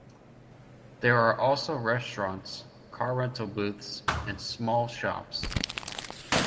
There are also restaurants, car rental booths and small shops.